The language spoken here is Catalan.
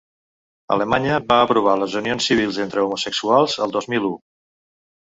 Alemanya va aprovar les unions civils entre homosexuals el dos mil u.